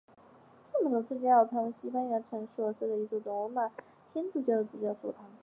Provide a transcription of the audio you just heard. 圣佩德罗主教座堂是位于西班牙城市索里亚的一座罗马天主教的主教座堂。